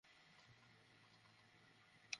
এটা আসলে দোকান থেকে কেনা।